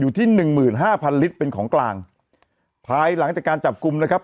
อยู่ที่๑๕๐๐๐ลิตรเป็นของกลางภายหลังจากการจับกลุ่มนะครับ